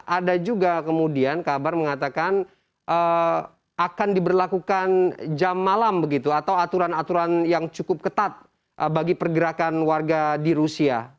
ada juga kemudian kabar mengatakan akan diberlakukan jam malam begitu atau aturan aturan yang cukup ketat bagi pergerakan warga di rusia